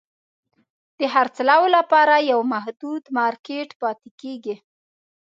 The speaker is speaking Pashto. د خرڅلاو لپاره یو محدود مارکېټ پاتې کیږي.